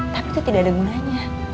tapi itu tidak ada gunanya